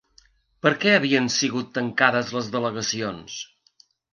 Per què havien sigut tancades les delegacions?